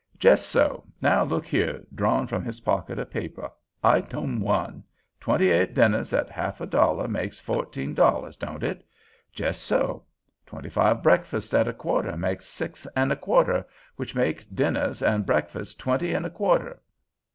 "Jes' so. Now look here," drawing from his pocket a paper. "Itom one. Twenty eight dinners at half a dollar makes fourteen dollars, don't it? Jes' so. Twenty five breakfasts at a quarter makes six an' a quarter, which make dinners an' breakfasts twenty an' a quarter.